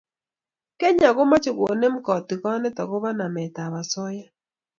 kenya komache konem katigonet akobo namet ab asoya